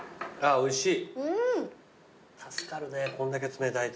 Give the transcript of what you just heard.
おいしい。